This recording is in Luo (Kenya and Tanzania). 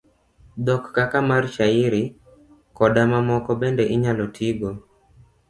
Dhok kaka mar shairi, koda mamoko bende inyalo tigo